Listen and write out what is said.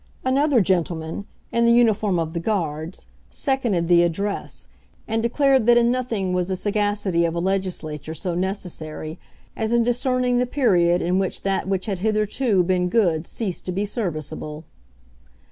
Another gentleman, in the uniform of the Guards, seconded the Address, and declared that in nothing was the sagacity of a Legislature so necessary as in discerning the period in which that which had hitherto been good ceased to be serviceable.